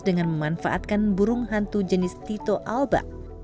dengan memanfaatkan burung hantu jenis tito alba